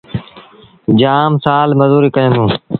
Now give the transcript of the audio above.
جآم سآل مزوريٚ ڪيآݩدوݩ۔